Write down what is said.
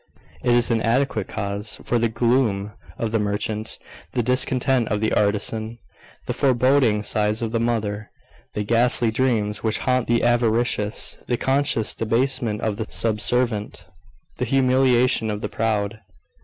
Is it an adequate cause for the gloom of the merchant, the discontent of the artisan, the foreboding sighs of the mother, the ghastly dreams which haunt the avaricious, the conscious debasement of the subservient, the humiliation of the proud?